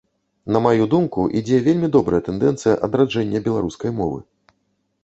На маю думку, ідзе вельмі добрая тэндэнцыя адраджэння беларускай мовы.